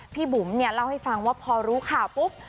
บุ๋มเนี่ยเล่าให้ฟังว่าพอรู้ข่าวปุ๊บ